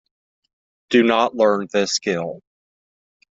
Do not learn this skill.